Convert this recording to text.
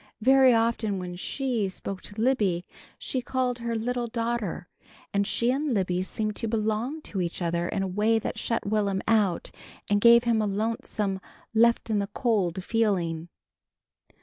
Very often when She spoke to Libby she called her "little daughter" and she and Libby seemed to belong to each other in a way that shut Will'm out and gave him a lonesome left in the cold feeling.